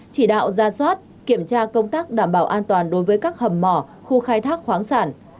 chỉ đạo ra soát kiểm tra công tác đảm bảo an toàn đối với các hầm mỏ khu khai thác khoáng sản